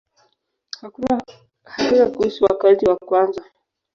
Hakuna hakika kuhusu wakazi wa kwanza.